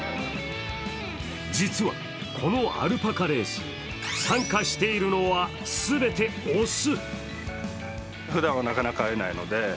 実はこのアルパカレース、参加しているのは全て雄。